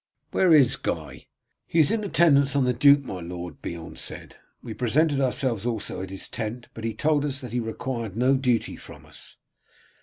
Where is Guy?" "He is in attendance on the duke, my lord," Beorn said. "We presented ourselves also at his tent, but he told us that he required no duty from us."